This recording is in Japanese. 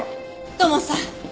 土門さん